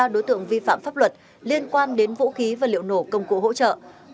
sáu trăm tám mươi ba đối tượng vi phạm pháp luật liên quan đến vũ khí và liệu nổ công cụ hỗ trợ